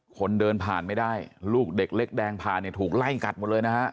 คนเดินผ่านไม่ได้ลูกเด็กเล็กแดงผ่านเนี่ยถูกไล่กัดหมดเลยนะฮะ